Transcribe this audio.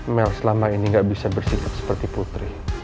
mels selama ini gak bisa bersikap seperti putri